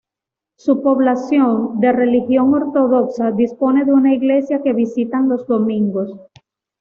Su población, de religión ortodoxa, dispone de una iglesia que visitan los domingos.